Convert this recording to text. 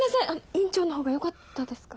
委員長の方がよかったですか？